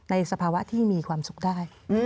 สภาวะที่มีความสุขได้